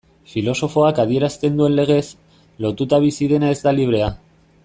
Filosofoak adierazten duen legez, lotuta bizi dena ez da librea.